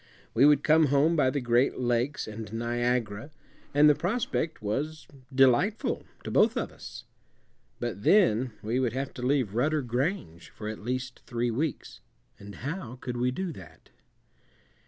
We would come home by the Great Lakes and Niagara, and the prospect was delightful to both of us. But then we would have to leave Rudder Grange for at least three weeks, and how could we do that?